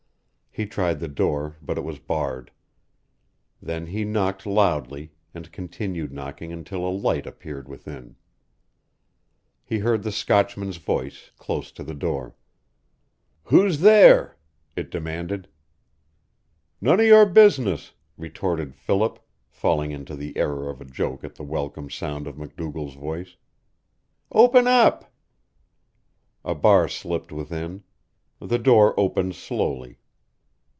He tried the door, but it was barred. Then he knocked loudly, and continued knocking until a light appeared within. He heard the Scotchman's voice, close to the door. "Who's there?" it demanded. "None of your business!" retorted Philip, falling into the error of a joke at the welcome sound of MacDougall's voice. "Open up!" A bar slipped within. The door opened slowly.